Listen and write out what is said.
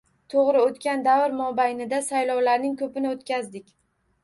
To‘g‘ri, o‘tgan davr mobaynida saylovlarning ko‘pini o‘tkazdik